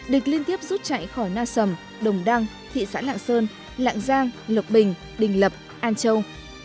địch liên tiếp rút chạy khỏi na sầm đồng đăng thị xã lạng sơn lạng giang lộc bình đình lập an châu